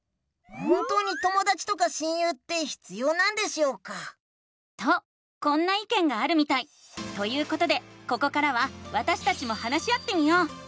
本当にともだちとか親友って必要なんでしょうか？とこんないけんがあるみたい！ということでここからはわたしたちも話し合ってみよう！